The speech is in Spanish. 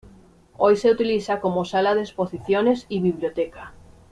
Hoy se utiliza como Sala de Exposiciones y Biblioteca.